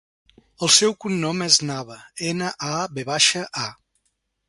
El seu cognom és Nava: ena, a, ve baixa, a.